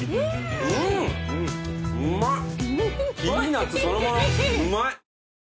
うまい。